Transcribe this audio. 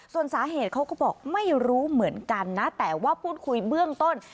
ส่วนสาเหตุเขาก็บอกไม่รู้เหมือนกันนะแต่ว่าพูดคุยเบื้องต้น